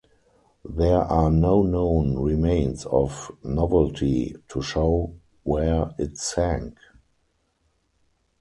There are no known remains of "Novelty" to show where it sank.